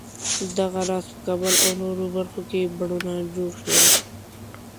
دغه راز په کابل او نورو برخو کې بڼونه جوړ شول.